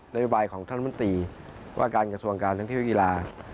นโยบายของท่านมนตรีว่าการกระทรวงการท่องเที่ยวกีฬา